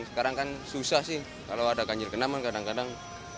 sekarang kan susah sih kalau ada ganjil genap kan kadang kadang